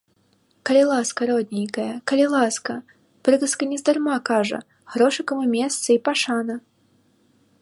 Калі ласка, родненькая, калі ласка, прыказка нездарма кажа, грошыкам і месца і пашана.